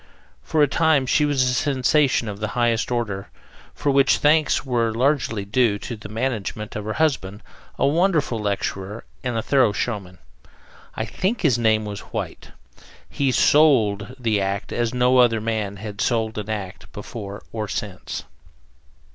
For a time she was a sensation of the highest order, for which thanks were largely due to the management of her husband, a wonderful lecturer and a thorough showman. I think his name was White. He "sold" the act as no other man has sold an act before or since.